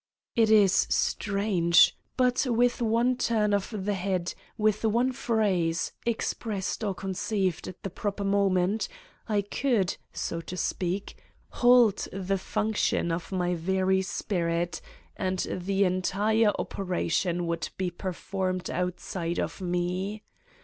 It is 149 Satan's Diary strange, but with one turn of the head, with one phrase, expressed or conceived at the proper mo ment, I could, so to speak, halt the function of my very spirit and the entire operation would be performed outside of me.